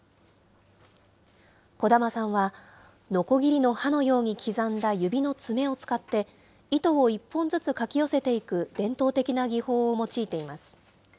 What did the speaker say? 小玉さんは、のこぎりの歯のように刻んだ指の爪を使って、糸を一本ずつかき寄せていく伝統的な技法を用いています。